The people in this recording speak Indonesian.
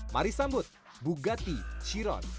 mari sambut bugatti chiron